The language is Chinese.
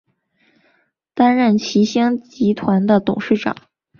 担任齐星集团的董事长。